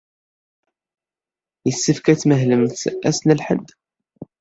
Yessefk ad tmahlemt ass n lḥedd?